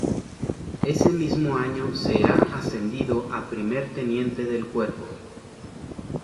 Ese mismo año será ascendido a Primer Teniente del cuerpo.